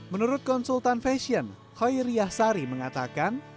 menurut konsultan fashion hoi riyah sari mengatakan